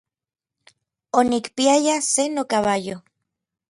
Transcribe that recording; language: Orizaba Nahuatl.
Onikpiaya se nokabayo.